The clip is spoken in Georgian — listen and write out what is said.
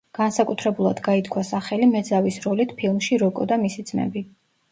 განსაკუთრებულად გაითქვა სახელი მეძავის როლით ფილმში „როკო და მისი ძმები“.